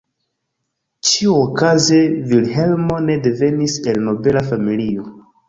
Ĉiuokaze Vilhelmo ne devenis el nobela familio.